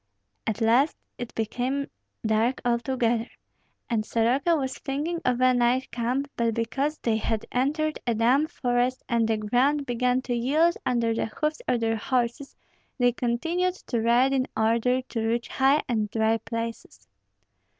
At last it became dark altogether, and Soroka was thinking of a night camp; but because they had entered a damp forest and the ground began to yield under the hoofs of their horses, they continued to ride in order to reach high and dry places.